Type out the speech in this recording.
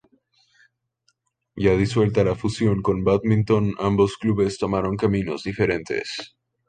Ya disuelta la fusión con Badminton, ambos clubes tomaron caminos diferentes.